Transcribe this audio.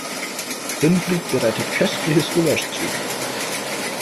Winfried bereitet köstliches Gulasch zu.